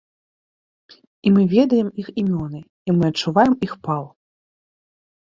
І мы ведаем іх імёны, і мы адчуваем іх пал.